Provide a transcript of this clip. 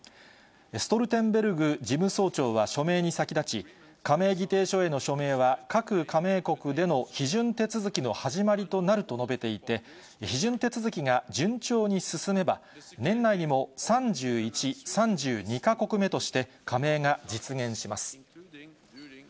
ストルテンベルグ事務総長は署名に先立ち、加盟議定書への署名は、各加盟国での批准手続きの始まりとなると述べていて、批准手続きが順調に進めば、年内にも３１、３２か国目として、加盟が実現します。